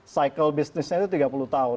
cycle businessnya itu tiga puluh tahun